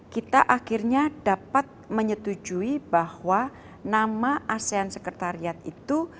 kita akhirnya dapat menyetujui bahwa nama asean sekretariat itu